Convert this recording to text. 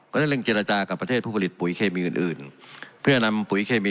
ก็ได้เร่งเจรจากับประเทศผู้ผลิตปลูกอินทรีย์อื่นอื่นเพื่อนำปลูกอินทรีย์เคมี